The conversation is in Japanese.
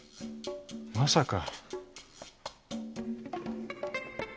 まさか。